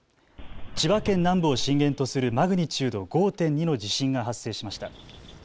千葉県南部を震源とするマグニチュード５．２の地震が発生しました。